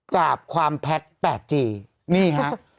กลับความแพทซ์แปดจีนี่หรอ